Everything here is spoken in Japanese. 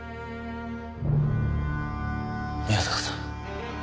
宮坂さん